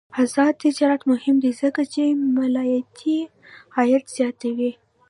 آزاد تجارت مهم دی ځکه چې مالیاتي عاید زیاتوي.